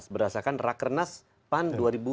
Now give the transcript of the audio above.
berdasarkan rakrnas pan dua ribu tujuh belas